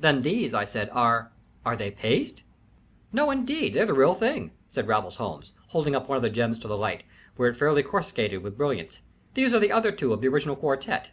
"Then these," I said, "are are they paste?" "No, indeed, they're the real thing," said Raffles Holmes, holding up one of the gems to the light, where it fairly coruscated with brilliance. "These are the other two of the original quartet."